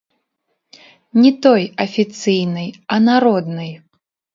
Не той, афіцыйнай, а народнай.